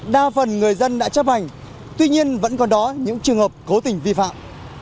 đa phần người dân đã chấp hành tuy nhiên vẫn còn đó những trường hợp cố tình vi phạm